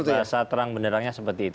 itu bahasa terang benerannya seperti itu